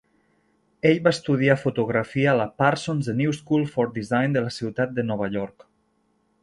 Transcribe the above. Ell va estudiar fotografia a la Parsons The New School for Design de la ciutat de Nova York.